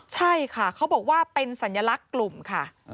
ใช่ค่ะเขาบอกว่าเป็นสัญลักษณ์กลุ่มค่ะ